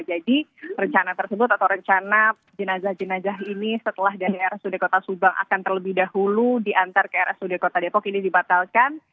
jadi rencana tersebut atau rencana jenazah jenazah ini setelah dari rsud kota subang akan terlebih dahulu di antar ke rsud kota depok ini dibatalkan